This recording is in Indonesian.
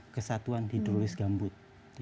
kesatuan hidrolis gambut